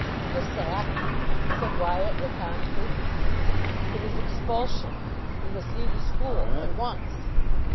"The sack," said Wyatt laconically. "It is expulsion. You must leave the school. At once."